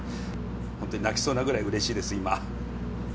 本当に泣きそうなぐらいうれしいです、今。